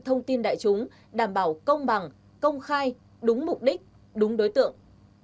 thông tin đại chúng đảm bảo công bằng công khai đúng mục đích đúng đối tượng